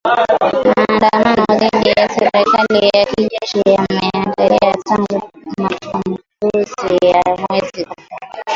Maandamano dhidi ya serikali ya kijeshi yameendelea tangu mapinduzi ya mwezi Oktoba